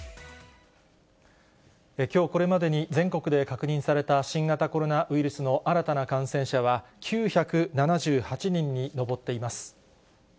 きょうこれまでに全国で確認された新型コロナウイルスの新たな感染者は、９７８人に上っています。